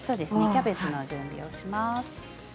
キャベツの準備をします。